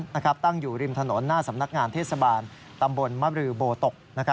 นะครับตั้งอยู่ริมถนนหน้าสำนักงานเทศบาลตำบลมบตก